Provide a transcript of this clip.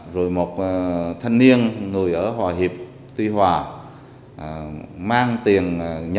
rồi một số cá nhân khác như là anh đồng ở sông cầu mang ba trăm linh triệu đi từ thành phố hồ chí minh về phú yên cũng bị mất